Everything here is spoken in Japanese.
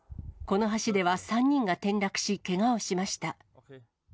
この橋では３人が転落しけがをしました。